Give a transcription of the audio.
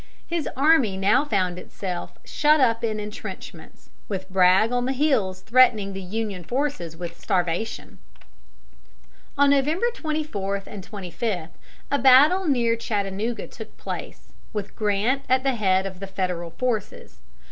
His army now found itself shut up in intrenchments, with Bragg on the hills threatening the Union forces with starvation. On November 24 25 a battle near Chattanooga took place, with Grant at the head of the Federal forces.